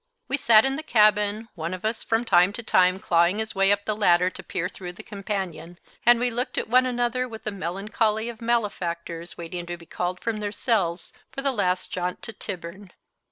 We sat in the cabin, one of us from time to time clawing his way up the ladder to peer through the companion, and we looked at one another with the melancholy of malefactors waiting to be called from their cells for the last jaunt to Tyburn.